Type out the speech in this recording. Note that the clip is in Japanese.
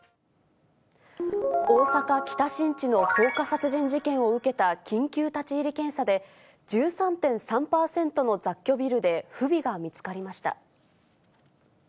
大阪・北新地の放火殺人事件を受けた緊急立ち入り検査で、１３．３％の雑居ビルで不備が見つかりました。